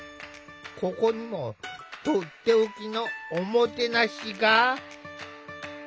ここにもとっておきの“おもてなし”が。